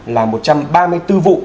là một trăm ba mươi bốn vụ